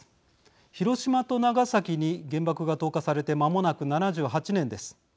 広島と長崎に原爆が投下されてまもなく７８年です。